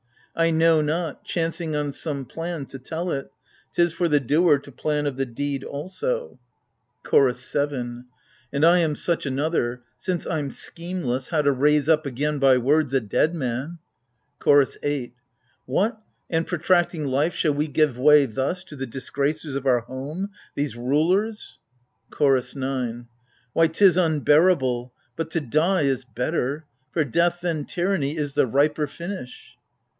I know not — chancing on some plan — to tell it : 'T is for the doer to plan of the deed also. ii8 AGAMEMNON CHORDS 7. And I am such another : since I'm schemeless How to raise up again by words— a dead man 1 CHOROS 8. What, and, protracting life, shall we give way thu& To the disgracers of our home, these rulers ? CHORDS 9.. Why, 'tis unbearable : but to die is better : For death than tyranny is the riper finish